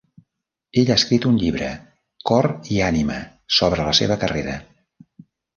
Ell ha escrit un llibre, "Cor i ànima", sobre la seva carrera.